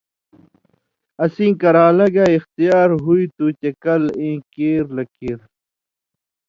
اسیں کران٘لہ گے اِختیار ہُوئ تُھو چے کَل ایں کیر لہ کیر۔